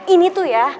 ini tuh ya